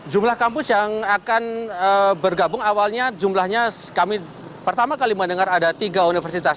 jumlah kampus yang akan bergabung awalnya jumlahnya kami pertama kali mendengar ada tiga universitas